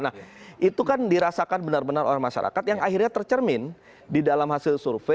nah itu kan dirasakan benar benar oleh masyarakat yang akhirnya tercermin di dalam hasil survei